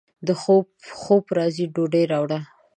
خوب راځي ، ډوډۍ راوړه